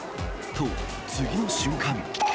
と、次の瞬間。